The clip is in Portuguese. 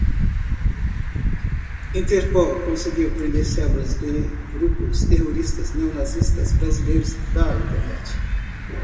O interpol conseguiu prender células de grupos terroristas neonazistas brasileiros da internet